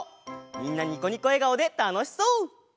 みんなニコニコえがおでたのしそう！